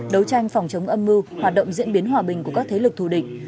đấu tranh phòng chống âm mưu hoạt động diễn biến hòa bình của các thế lực thù địch